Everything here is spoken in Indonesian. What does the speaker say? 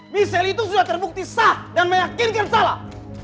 misal itu sudah terbukti sah dan meyakinkan salah